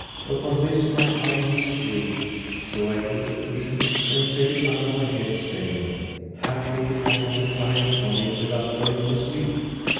Upon this, my eyelids drooped; so I took a cushion and set it under my head, saying, "Haply I can recline upon it without going to sleep."